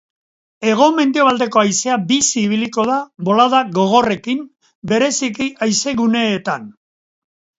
Hego-mendebaldeko haizea bizi ibiliko da, bolada gogorrekin, bereziki haizeguneetan.